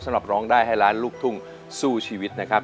ร้องได้ให้ล้านลูกทุ่งสู้ชีวิตนะครับ